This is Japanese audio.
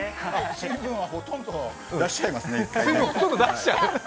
水分はほとんど出しちゃいますね。